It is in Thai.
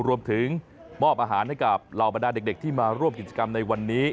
รวมถึงมอบอาหารให้กับเหล่าบรรดาเด็กที่มาร่วมกิจกรรมในวันนี้